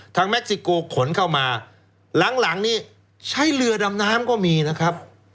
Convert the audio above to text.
แม็กซิโกขนเข้ามาหลังนี้ใช้เรือดำน้ำก็มีนะครับ